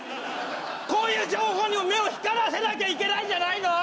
こういう情報にも目を光らせなきゃいけないんじゃないの？